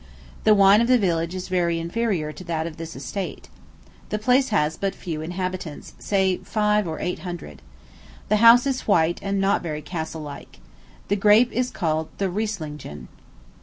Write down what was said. The wine of the village is very inferior to that of this estate. The place has but few inhabitants say five or eight hundred. The house is white, and not very castle like. The grape is called the Riesslingen. [Illustration: VINEYARD ON THE RHINE. Pp. 175.